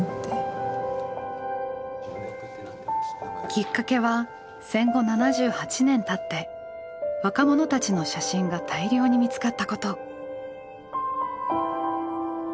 きっかけは戦後７８年たって若者たちの写真が大量に見つかったこと。